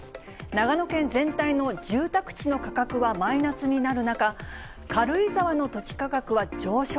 長野県全体の住宅地の価格はマイナスになる中、軽井沢の土地価格は上昇。